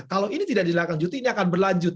kalau ini tidak dilanjuti ini akan berlanjut